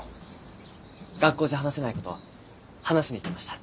学校じゃ話せない事を話しに来ました。